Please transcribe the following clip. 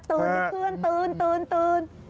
ตื่นเพื่อนตื่นตื่นตื่น